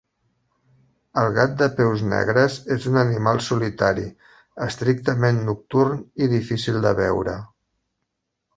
El gat de peus negres és un animal solitari, estrictament nocturn, i difícil de veure.